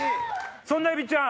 そんなえびちゃん。